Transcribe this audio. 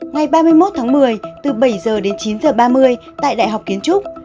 ngày ba mươi một một mươi từ bảy h chín h ba mươi tại đại học kiến trúc